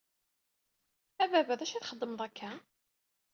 A baba, d acu i txedmeḍ akka?